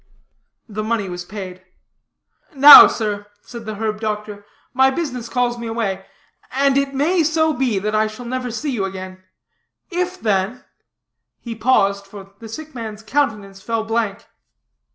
The money was paid. "Now, sir," said the herb doctor, "my business calls me away, and it may so be that I shall never see you again; if then " He paused, for the sick man's countenance fell blank.